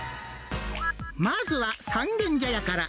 まずは三軒茶屋から。